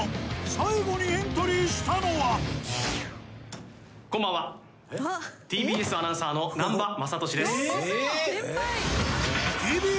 最後にエントリーしたのはこんばんはＴＢＳアナウンサーの南波雅俊です